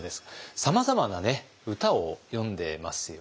さまざまな歌を詠んでますよね。